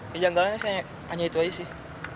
kejanggalan hanya itu aja sih